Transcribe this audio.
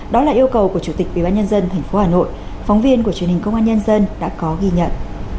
đó là yêu cầu của chủ tịch bịa bán nhân dân tp hcm phóng viên của truyền hình công an nhân dân đã có ghi nhận